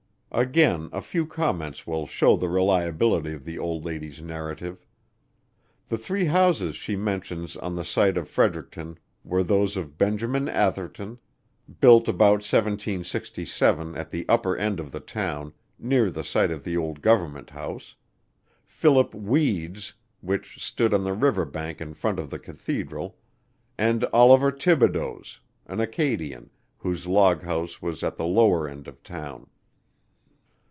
Again a few comments will show the reliability of the old lady's narrative. The three houses she mentions on the site of Fredericton were those of Benjamin Atherton, built about 1767 at the upper end of the town, near the site of the old Government House; Philip Weade's, which stood on the river bank in front of the Cathedral, and Olivier Thibodeau's, an Acadian, whose log house was at the lower end of town.